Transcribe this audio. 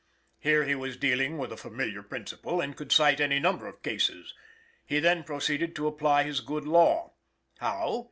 Here he was dealing with a familiar principle, and could cite any number of cases. He then proceeded to apply his good law. How?